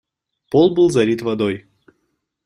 Пол был залит водой.